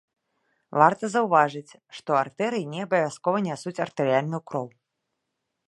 Варта заўважыць, што артэрыі не абавязкова нясуць артэрыяльную кроў.